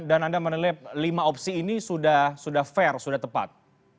dan anda menilai lima opsi ini sudah fair sudah tepat